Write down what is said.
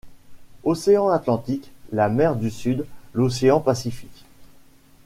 Océan Atlantique, la mer du Sud, l’Océan Pacifique!...